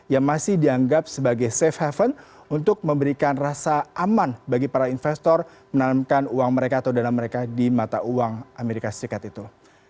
yang masih dianggap sebagai safe haven untuk memberikan rasa aman bagi para investor menanamkan uang mereka atau dana mereka di mata uang amerika serikat itu